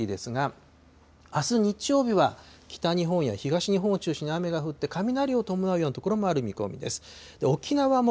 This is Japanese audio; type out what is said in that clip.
そしてそのあとの天気ですが、あす日曜日は、北日本や東日本を中心に雨が降って、雷を伴うような所もある見込みです。